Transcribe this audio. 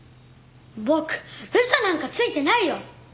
僕嘘なんかついてないよ！